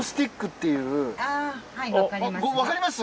わかります？